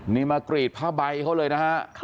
นี่มากรีดภาพใบของเบียเลยนะคะ